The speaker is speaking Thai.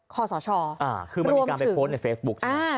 คอสชรวมถึงคือมันมีการเป็นโพสต์ในเฟซบุ๊กใช่ไหม